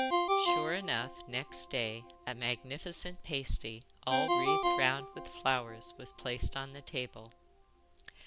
Sure enough, next day a magnificent pasty all wreathed round with flowers was placed on the table.